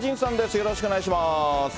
よろしくお願いします。